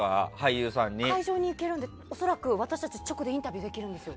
会場に行けるので恐らく私たち、直でインタビューできるんですよ。